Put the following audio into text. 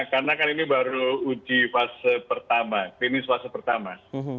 karena kali ini baru uji fase pertama klinis fase pertama